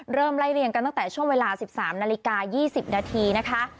เริ่มไล่เหลี่ยงกันตั้งแต่เวลา๑๓๒๐นะคะ